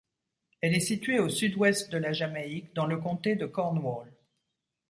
Elle est située au sud-ouest de la Jamaïque dans le comté de Cornwall.